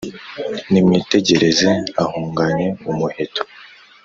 Nimwitegereze ahunganye umuheto